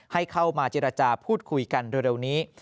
ให้เข้ามาเจรจาพูดคุยกันเร็วนี้